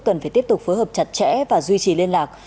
cần phải tiếp tục phối hợp chặt chẽ và duy trì liên lạc